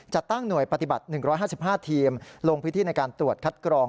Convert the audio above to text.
จะตั้งหน่วยปฏิบัติ๑๕๕ทีมลงพื้นที่ในการตรวจคัดกรอง